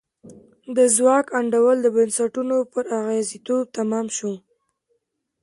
د ځواک انډول د بنسټونو پر اغېزمنتوب تمام شو.